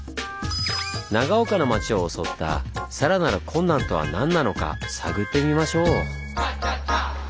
長岡の町を襲ったさらなる困難とは何なのか探ってみましょう！